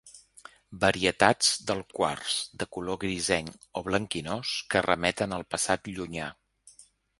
Varietats del quars, de color grisenc o blanquinós, que remeten al passat llunyà.